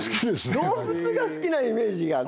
動物が好きなイメージが。